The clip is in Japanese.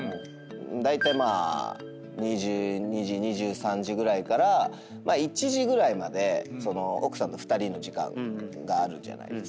だいたいまあ２２時２３時ぐらいから１時ぐらいまで奥さんと２人の時間があるじゃないですか。